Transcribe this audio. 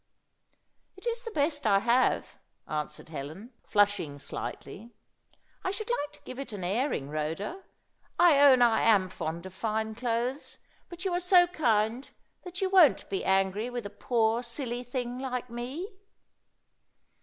"It is the best I have," answered Helen, flushing slightly. "I should like to give it an airing, Rhoda. I own I am fond of fine clothes, but you are so kind that you won't be angry with a poor silly thing like me!"